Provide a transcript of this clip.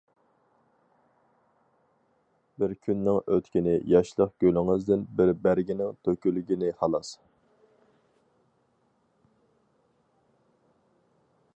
بىر كۈننىڭ ئۆتكىنى ياشلىق گۈلىڭىزدىن بىر بەرگىنىڭ تۆكۈلگىنى خالاس.